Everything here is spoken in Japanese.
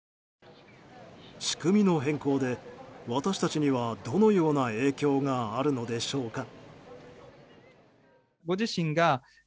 仕組みの変更で、私たちにはどのような影響があるのでしょうか。